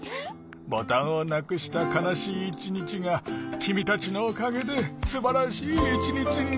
ボタンをなくしたかなしいいちにちがきみたちのおかげですばらしいいちにちなったよ。